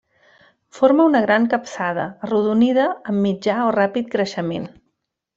Forma una gran capçada arrodonida amb mitjà o ràpid creixement.